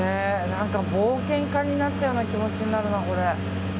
何か冒険家になったような気持ちになるな。